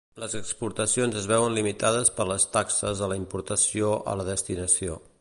Les exportacions es veuen limitades per les taxes a la importació a la destinació.